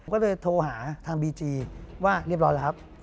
ก็เลยโทรหาทางบีจีว่าเรียบร้อยแล้วครับ